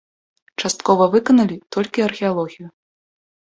Часткова выканалі толькі археалогію.